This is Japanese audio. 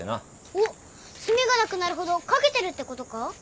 おっ墨がなくなるほど書けてるってことか？